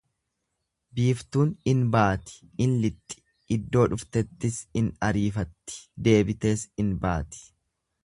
biiftuun in baati, in lixxi, iddoo dhufteettis in ariifatti, deebitees in baati;